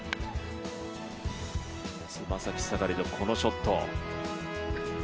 爪先下がりのこのショット。